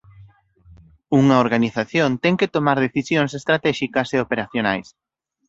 Unha organización ten que tomar decisións estratéxicas e operacionais.